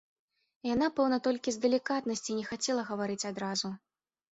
Яна пэўна толькі з далікатнасці і не хацела гаварыць адразу.